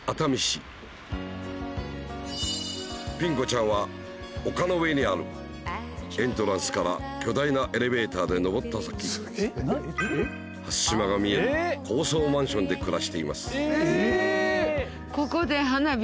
ピン子ちゃんは丘の上にあるエントランスから巨大なエレベーターで昇った先初島が見える高層マンションで暮らしています